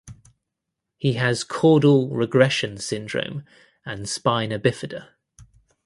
He has caudal regression syndrome and spina bifida.